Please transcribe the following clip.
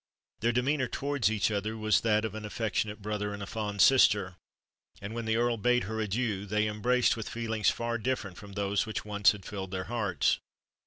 Their demeanour towards each other was that of an affectionate brother and a fond sister; and when the Earl bade her adieu, they embraced with feelings far different from those which once had filled their hearts.